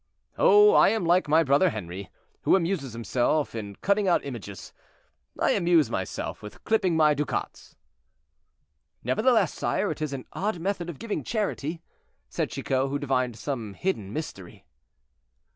"Oh, I am like my brother Henri, who amuses himself in cutting out images: I amuse myself with clipping my ducats." "Nevertheless, sire, it is an odd method of giving charity," said Chicot, who divined some hidden mystery.